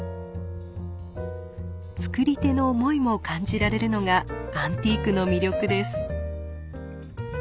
作り手の思いも感じられるのがアンティークの魅力です。